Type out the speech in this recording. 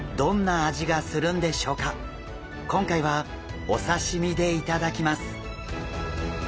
今回はお刺身で頂きます！